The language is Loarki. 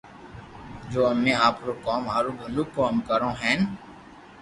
جو امي آپري قوم ھارو ڀلو ڪوم ڪرو ھين